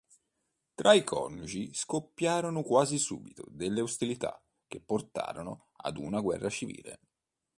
Tra i coniugi scoppiarono quasi subito delle ostilità che portarono ad una guerra civile.